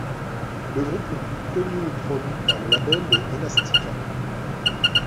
Le groupe le plus connu produit par le label est Elastica.